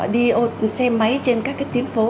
đi ô xe máy trên các tuyến phố